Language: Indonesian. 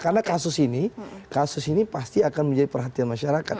karena kasus ini pasti akan menjadi perhatian masyarakat